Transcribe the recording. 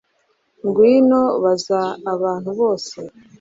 Ngwino baza abantu bose